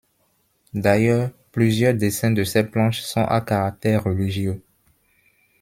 D'ailleurs, plusieurs dessins de ses planches sont à caractère religieux.